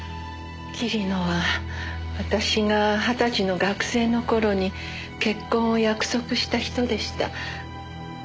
桐野は私が二十歳の学生の頃に結婚を約束した人でした。